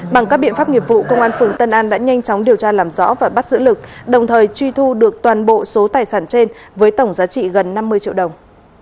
bằng các biện pháp nghiệp vụ công an phường tân an đã nhanh chóng điều tra làm rõ và bắt giữ lực đồng thời truy thu được toàn bộ số tài sản trên với tổng giá trị gần năm mươi triệu đồng